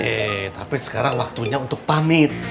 eh tapi sekarang waktunya untuk pamit